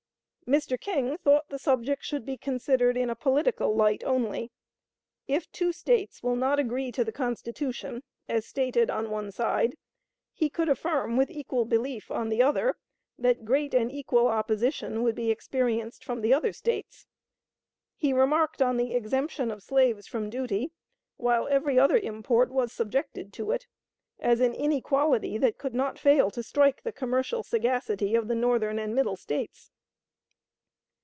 " "Mr. King thought the subject should be considered in a political light only. If two States will not agree to the Constitution, as stated on one side, he could affirm with equal belief, on the other, that great and equal opposition would be experienced from the other States. He remarked on the exemption of slaves from duty, while every other import was subjected to it, as an inequality that could not fail to strike the commercial sagacity of the Northern and Middle States."